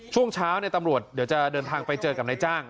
ช่วงเช้าตำรวจเดี๋ยวจะเดินทางไปเจอกับนายจ้าง